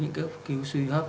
những cấp cứu suy hấp